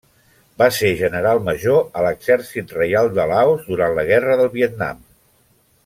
Va ser general major a l'Exèrcit Reial del Laos durant la Guerra del Vietnam.